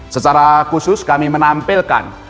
secara khusus kami menampilkan